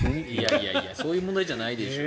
いやいやそういう問題じゃないでしょう。